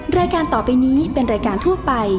แม่บ้านประจันบรรย์